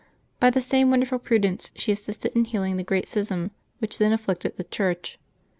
By the same wonderful prudence she assisted in healing the great schism which then afflicted the Church.